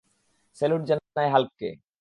Salute জানাই হাল্ককে!